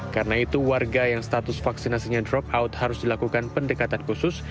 karena itu warga yang status vaksinasinya drop out harus dilakukan pendekatan khusus